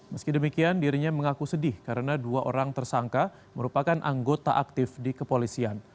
meski demikian dirinya mengaku sedih karena dua orang tersangka merupakan anggota aktif di kepolisian